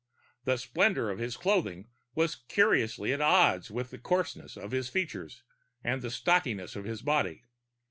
The splendor of his clothing was curiously at odds with the coarseness of his features and the stockiness of his body.